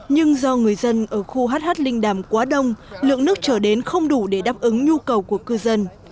nhưng do người dân ở khu hh linh đàm quá đông lượng nước trở đến không đủ để đáp ứng nhu cầu của cư dân